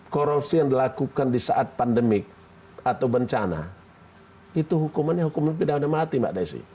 korupsi yang dilakukan di saat pandemi atau bencana itu hukumannya hukumnya tidak ada mati mbak desi